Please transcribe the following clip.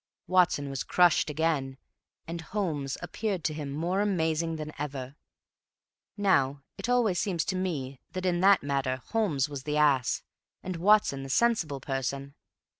Watson was crushed again, and Holmes appeared to him more amazing than ever. Now, it always seemed to me that in that matter Holmes was the ass, and Watson the sensible person.